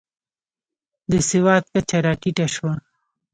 د سواد کچه راټیټه شوه.